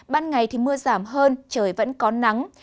ban ngày thì mưa giảm hơn trời vẫn có nắng